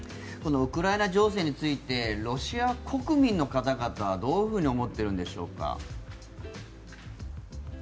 このウクライナ情勢についてロシア国民の方々はどう思っているんでしょうか。